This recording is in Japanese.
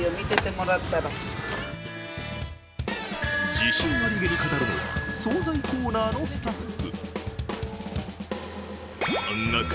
自信ありげに語るのは総菜コーナーのスタッフ。